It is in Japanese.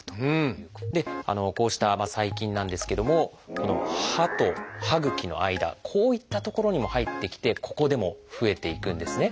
こうした細菌なんですけどもこの歯と歯ぐきの間こういった所にも入ってきてここでも増えていくんですね。